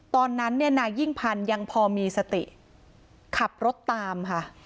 ตอนนั้นเนี่ยนายยิ่งพันธ์ยังพอมีสติขับรถตามค่ะ